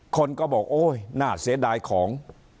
คนก็บอกโอ๊ยน่าเสียดายของ